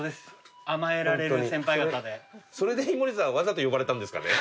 それで井森さんわざと呼ばれたんですかね？